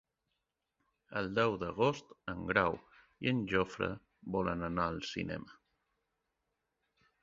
El deu d'agost en Grau i en Jofre volen anar al cinema.